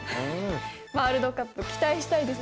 ワールドカップ期待したいです！